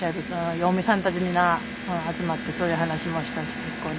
嫁さんたちみんな集まってそういう話もしたし結構ね。